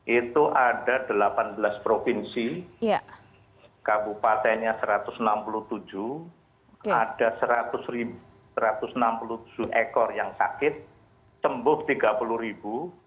itu ada delapan belas provinsi kabupatennya satu ratus enam puluh tujuh ada satu ratus enam puluh tujuh ekor yang sakit sembuh tiga puluh ribu